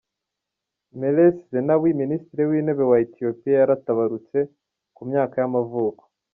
Meles Zenawi, minisitiri w’intebe wa Etiyopiya yaratabarutse, ku myaka y’amavuko.